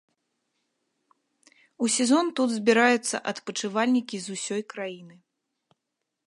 У сезон тут збіраюцца адпачывальнікі з усёй краіны.